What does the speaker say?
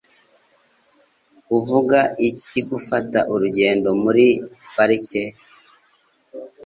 Uvuga iki gufata urugendo muri parike?